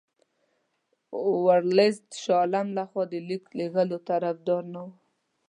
ورلسټ د شاه عالم له خوا د لیک لېږلو طرفدار نه وو.